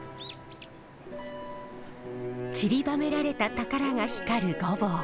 ちりばめられた宝が光る御坊。